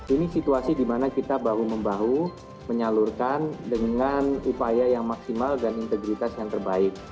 ini situasi dimana kita bahu membahu menyalurkan dengan upaya yang maksimal dan integritas yang terbaik